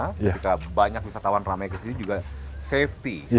ketika banyak wisatawan ramai kesini juga safety